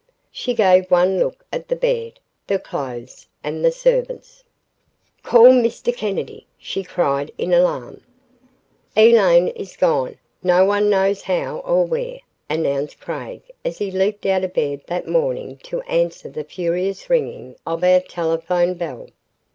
She gave one look at the bed, the clothes, and the servants. "Call Mr. Kennedy!" she cried in alarm. ........ "Elaine is gone no one knows how or where," announced Craig as he leaped out of bed that morning to answer the furious ringing of our telephone bell.